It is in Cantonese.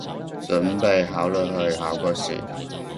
準備考慮去考個試